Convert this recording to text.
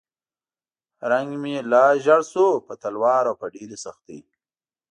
رنګ مې لا ژیړ شو په تلوار او په ډېرې سختۍ.